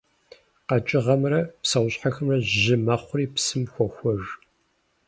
КъэкӀыгъэхэмрэ псэущхьэхэмрэ жьы мэхъури псым хохуэж.